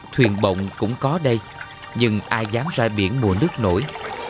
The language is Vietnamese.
thuyền bồng cũng có đây nhưng ai dám ra biển mùa nước nổi